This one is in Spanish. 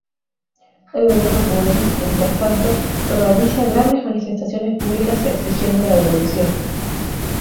El Gobierno cubano, mientras tanto, organiza grandes manifestaciones públicas exigiendo la devolución.